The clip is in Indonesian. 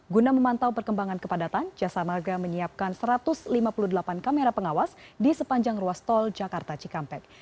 guna memantau perkembangan kepadatan jasa marga menyiapkan satu ratus lima puluh delapan kamera pengawas di sepanjang ruas tol jakarta cikampek